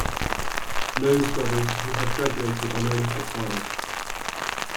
NoZe Brothers who have graduated are known as Exiles.